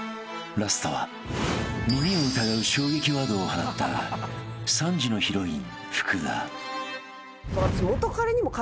［ラストは耳を疑う衝撃ワードを放った３時のヒロイン］